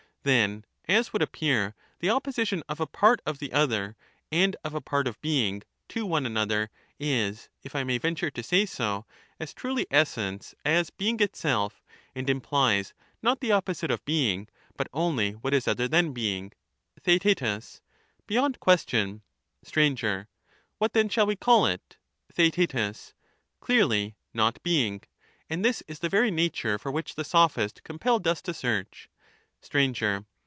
Then, as would appear, the opposition of a part of the The oppo other, and of a part of being, to one another, is, if I may ^*''°°^ venture to say so, as truly essence as being itself, and parts of implies not the opposite of being, but only what is other bang and than being. also being. Theaet Beyond question. Str. What then shall we call it ? TheaeL Clearly, not being ; and this is the very nature for which the Sophist compelled us to search. Str.